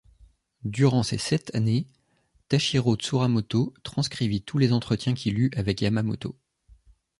Durant ces sept années, Tashiro Tsuramoto transcrivit tous les entretiens qu'il eut avec Yamamoto.